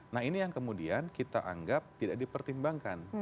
nah ini yang kemudian kita anggap tidak dipertimbangkan